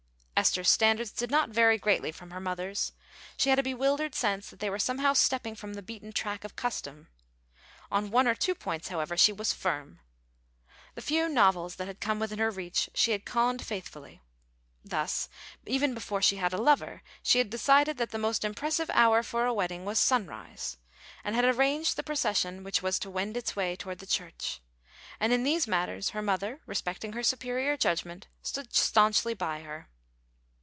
Esther's standards did not vary greatly from her mother's, but she had a bewildered sense that they were somehow stepping from the beaten track of custom. On one or two points, however, she was firm. The few novels that had come within her reach she had conned faithfully. Thus, even before she had a lover, she had decided that the most impressive hour for a wedding was sunrise, and had arranged the procession which was to wend its way towards the church. And in these matters her mother, respecting her superior judgment, stood stanchly by her.